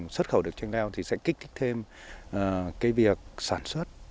xuất khẩu được chanh leo sẽ kích thích thêm việc sản xuất